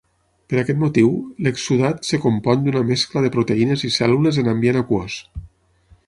Per aquest motiu, l'exsudat es compon d'una mescla de proteïnes i cèl·lules en ambient aquós.